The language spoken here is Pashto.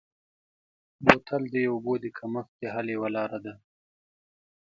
بوتل د اوبو د کمښت د حل یوه لاره ده.